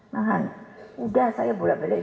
nahan udah saya bolak balik